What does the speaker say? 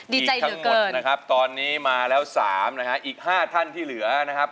ดีใจเยอะเกินอีกทั้งหมดนะครับตอนนี้มาแล้วสามนะฮะอีกห้าท่านที่เหลือนะครับ